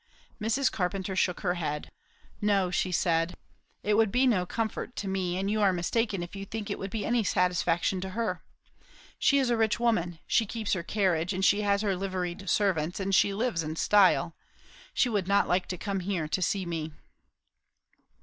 Mrs. Carpenter shook her head. "No," she said, "it would be no comfort to me; and you are mistaken if you think it would be any satisfaction to her. She is a rich woman. She keeps her carriage, and she has her liveried servants, and she lives in style. She would not like to come here to see me."